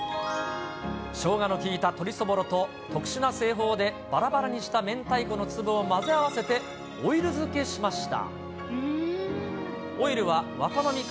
しょうがの効いた鶏そぼろと、特殊な製法でばらばらにした明太子の粒を混ぜ合わせて、オイル漬けしました。